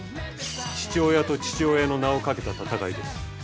父親と父親の名をかけた戦いです。